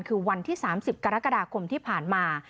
คือวันที่๓๐กรกฎาคมที่ผ่านมา